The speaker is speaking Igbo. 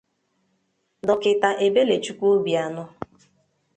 Dọịka Ebelechukwu Obianọ